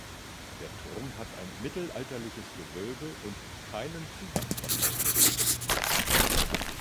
Der Turm hatte ein mittelalterliches Gewölbe und keinen Zugang von außen.